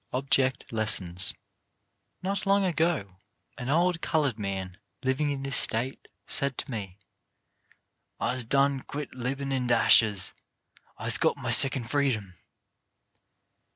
OBJECT LESSONS Not long ago an old coloured man living in this State said to me: "I's done quit libin' in de ashes. I's got my second freedom.